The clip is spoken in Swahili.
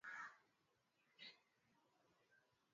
katika nadharia mbalimbali za isimu muundo wa Kiswahili